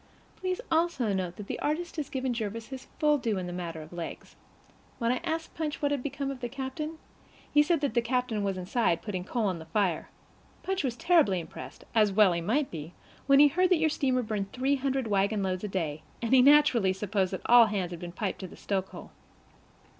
Please also note that the artist has given Jervis his full due in the matter of legs. When I asked Punch what had become of the captain, he said that the captain was inside, putting coal on the fire. Punch was terribly impressed, as well he might be, when he heard that your steamer burned three hundred wagonloads a day, and he naturally supposed that all hands had been piped to the stokehole.